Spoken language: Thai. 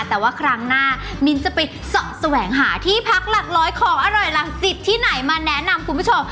แต่ว่าครั้งหน้ามิ้นจะไปเสาะแสวงหาที่พักหลักร้อยของอร่อยหลักจิตที่ไหนมาแนะนำคุณผู้ชม